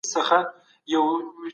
حقوقپوهانو به سیاسي ستونزي حل کولې.